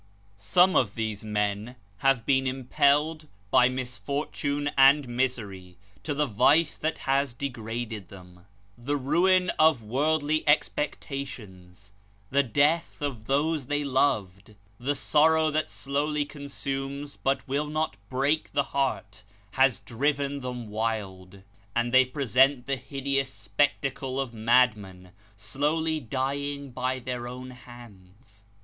Some of these men have been impelled, by misfortune and misery, to the vice that has degraded them. The ruin of worldly expectations, the death of those they loved, the sorrow that slowly consumes, but will not break the heart, has driven them wild ; and they present the hideous spectacle of madmen, slowly dying by their own hands.